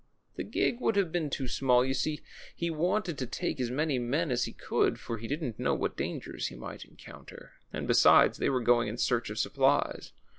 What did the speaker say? The gig would have been too small. You see, lie wanted to take as many men as he could, for he didn't know what dangers he might encounter. And, besides, they were going in search of supplies.